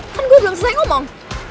kan gue belum selesai ngomong